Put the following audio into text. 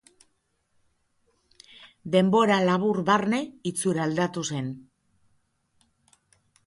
Denbora labur barne itxuraldatu zen.